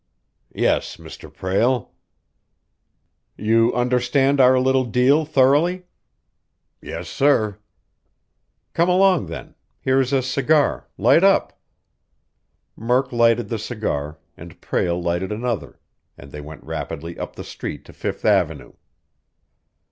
"Yes, Mr. Prale." "You understand our little deal thoroughly?" "Yes, sir." "Come along, then. Here is a cigar light up!" Murk lighted the cigar, and Prale lighted another, and they went rapidly up the street to Fifth Avenue.